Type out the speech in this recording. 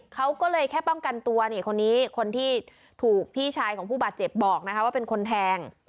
เขาก็เลยแค่ป้องกันตัวนี่คนนี้คนที่ถูกพี่ชายของผู้บาดเจ็บบอกว่าเป็นคนแทง